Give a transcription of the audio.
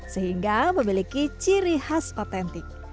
sehingga memiliki ciri khas otentik